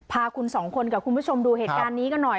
พาคุณสองคนกับคุณผู้ชมดูเหตุการณ์นี้กันหน่อย